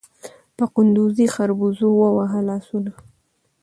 په کندوزي خربوزو ووهه لاسونه